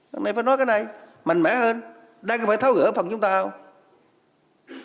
lần này phải nói cái này mạnh mẽ hơn đang phải tháo gỡ phần chúng ta không